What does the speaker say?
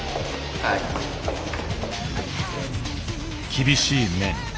厳しい面。